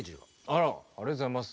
あらありがとうございます。